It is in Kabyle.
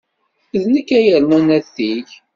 D nekk ay yernan atig.